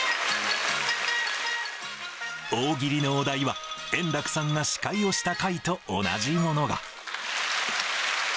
大喜利のお題は円楽さんが司会をした回と同じものが。